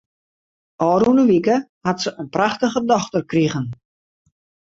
Ofrûne wike hat se in prachtige dochter krigen.